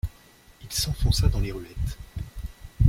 Il s’enfonça dans les ruettes.